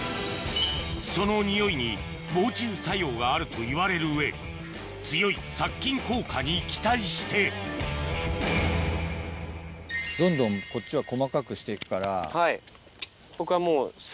そのニオイに防虫作用があるといわれる上強い殺菌効果に期待してどんどんこっちは細かくして行くから。